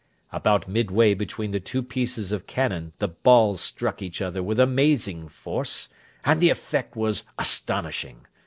About midway between the two pieces of cannon the balls struck each other with amazing force, and the effect was astonishing!